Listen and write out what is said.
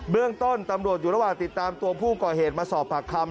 เรื่องต้นตำรวจอยู่ระหว่างติดตามตัวผู้ก่อเหตุมาสอบปากคำ